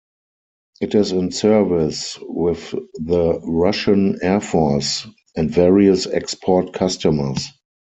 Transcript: It is in service with the Russian Air Force and various export customers.